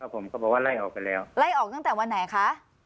ผมก็บอกว่าไล่ออกไปแล้วไล่ออกตั้งแต่วันไหนคะ